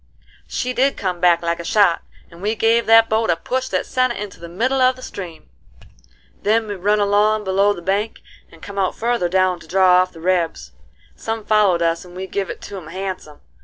She did come back like a shot, and we give that boat a push that sent it into the middle of the stream. Then we run along below the bank, and come out further down to draw off the rebs. Some followed us and we give it to 'em handsome.